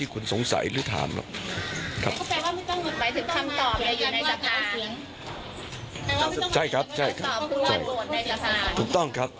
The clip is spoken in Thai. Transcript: คุณเจ้าใครเป็นนายก